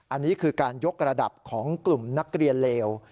อันนี้คือการยกระดับของกลุ่มนักเรียนเลว